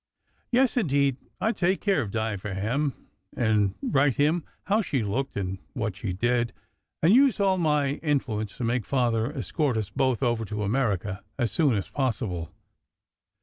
Yes, indeed, I d take care of Di for him, and write him how she looked and what she did, and use all my influence to make Father escort us both over to America as soon as possible.